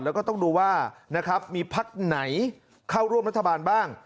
แล้วก็ต้องดูว่านะครับมีพักไหนเข้าร่วมรัฐบาลบ้าง